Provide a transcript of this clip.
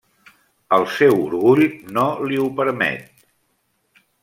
El seu orgull no li ho permet.